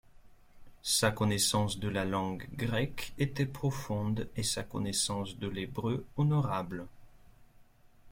Sa connaissance de la langue grecque était profonde et sa connaissance de l’hébreu honorable.